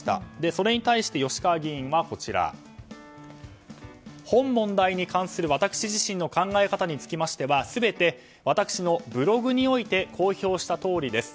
それに対して、吉川議員は本問題に関する私自身の考え方につきましては全て私のブログにおいて公表したとおりです。